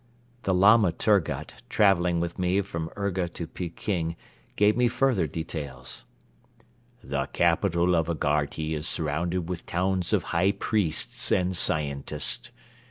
The Lama Turgut traveling with me from Urga to Peking gave me further details. "The capital of Agharti is surrounded with towns of high priests and scientists.